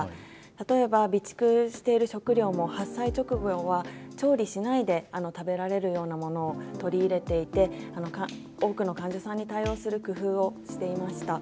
例えば備蓄している食料も発災直後は調理しないで食べられるようなものを取り入れていて多くの患者さんに対応する工夫をしていました。